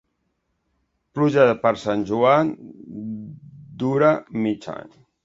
Pluja per Sant Joan, dura mig any.